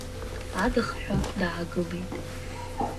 Адыхҳәа даагылеит.